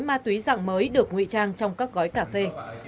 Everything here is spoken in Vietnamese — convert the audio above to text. ma túy dạng mới được nguy trang trong các gói cà phê